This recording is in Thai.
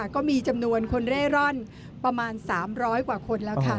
ก็มีจำนวนคนเร่ร่อนประมาณ๓๐๐กว่าคนแล้วค่ะ